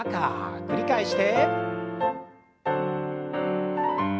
繰り返して。